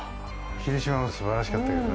霧島もすばらしかったけどね。